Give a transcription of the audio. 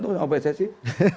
tuh yang opss sih